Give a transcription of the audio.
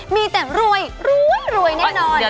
มีแต่รวยรู้รวยรวยแน่นอน